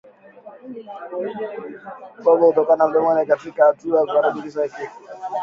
Povu kutoka mdomoni katika hatua ya kukaribia kifo